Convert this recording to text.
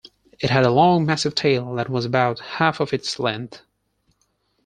It had a long, massive tail that was about half of its length.